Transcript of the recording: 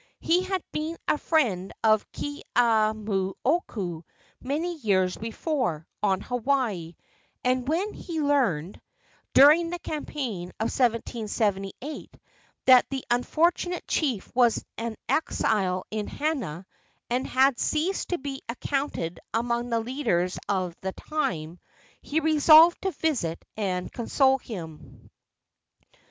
He had been a friend of Keeaumoku, many years before, on Hawaii, and when he learned, during the campaign of 1778, that the unfortunate chief was an exile in Hana and had ceased to be accounted among the leaders of the time, he resolved to visit and console him.